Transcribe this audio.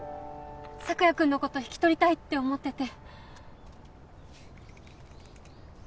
朔也君のこと引き取りたいって思ってて